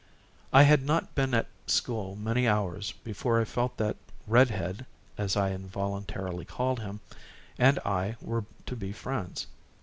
I had not been at school many hours before I felt that "Red Head" as I involuntarily called him and I were to be friends.